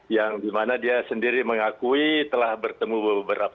yang dimana dia sendiri mengakui telah bertemu beberapa